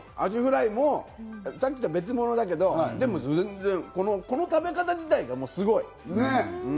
これはこれで、アジフライもさっきとは別物だけど、全然この食べ方自体がすごい。